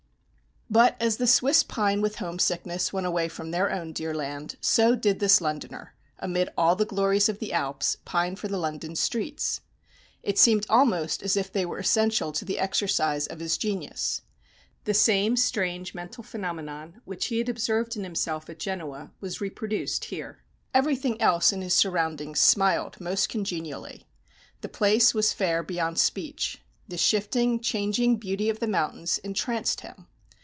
But as the Swiss pine with home sickness when away from their own dear land, so did this Londoner, amid all the glories of the Alps, pine for the London streets. It seemed almost as if they were essential to the exercise of his genius. The same strange mental phenomenon which he had observed in himself at Genoa was reproduced here. Everything else in his surroundings smiled most congenially. The place was fair beyond speech. The shifting, changing beauty of the mountains entranced him.